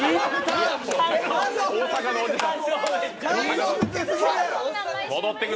大阪のおじさん。